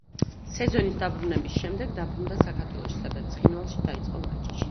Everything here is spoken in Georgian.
სეზონის დასრულების შემდეგ დაბრუნდა საქართველოში, სადაც „ცხინვალში“ დაიწყო ვარჯიში.